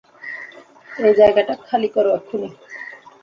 এই জায়গাটা খালি করো, এক্ষুণি!